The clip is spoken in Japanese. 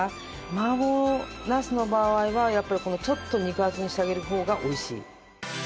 麻婆ナスの場合はやっぱりちょっと肉厚にしてあげる方が美味しい。